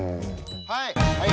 はい。